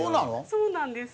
そうなんです。